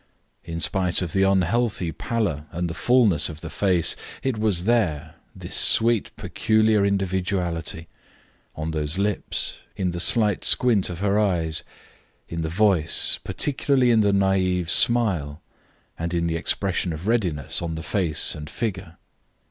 In spite of the unhealthy pallor and the fulness of the face, it was there, this sweet, peculiar individuality; on those lips, in the slight squint of her eyes, in the voice, particularly in the naive smile, and in the expression of readiness on the face and figure.